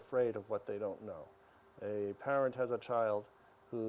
orang orang takut dengan apa yang mereka tidak tahu